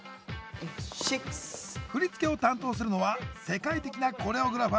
振り付けを担当するのは世界的なコレオグラファーのＳｏｔａ。